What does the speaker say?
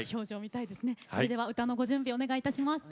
それでは歌のご準備お願いいたします。